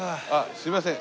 すいません。